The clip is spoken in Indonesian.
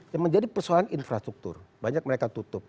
yang menjadi persoalan infrastruktur banyak mereka tutup